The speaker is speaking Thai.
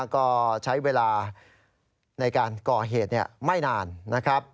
ก็ใช้เวลาในการก่อเหตุไม่นานนะครับ